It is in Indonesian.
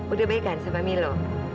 udah baik kan sama milo